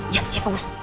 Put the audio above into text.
siap siap pak bus